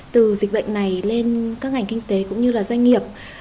từ dịch bệnh này lên các ngành kinh tế cũng như là doanh nghiệp